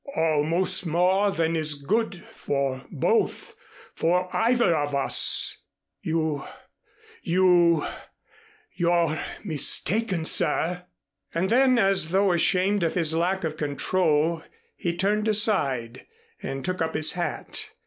"Almost more than is good for both for either of us. You you you're mistaken, sir." And then as though ashamed of his lack of control he turned aside, and took up his hat.